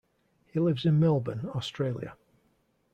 He lives in Melbourne, Australia.